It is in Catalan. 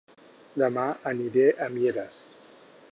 Dema aniré a Mieres